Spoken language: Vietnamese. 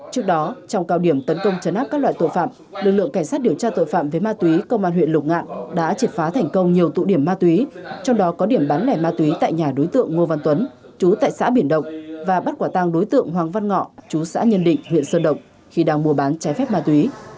trước đó trong cao điểm tấn công chấn áp các loại tội phạm lực lượng cảnh sát điều tra tội phạm về ma túy công an huyện lục ngạn đã triệt phá thành công nhiều tụ điểm ma túy trong đó có điểm bán lẻ ma túy tại nhà đối tượng ngô văn tuấn chú tại xã biển động và bắt quả tăng đối tượng hoàng văn ngọ chú xã nhân định huyện sơn động khi đang mua bán trái phép ma túy